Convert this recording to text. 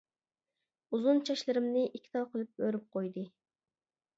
ئۇزۇن چاچلىرىمنى ئىككى تال قىلىپ ئۆرۈپ قويدى.